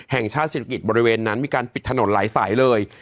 แห่งชาติศิริกิจบริเวณนั้นมีการปิดถนนหลายสายเลย